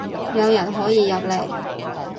有人可以入嚟